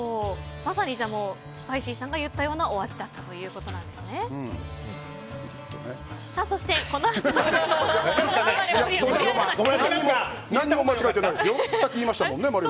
まさにスパイシーさんが言ったようなお味だったということですね。